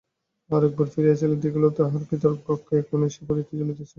আর একবার ফিরিয়া চাহিল, দেখিল তাহার পিতার কক্ষে এখনো সেই প্রদীপটি জ্বলিতেছে।